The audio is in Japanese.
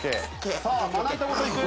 さあまな板ごといく。